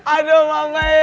aduh mama ye